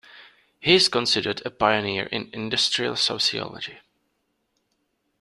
He is considered a pioneer in industrial sociology.